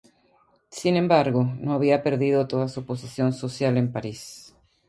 Sin embargo, no había perdido toda su posición social en París.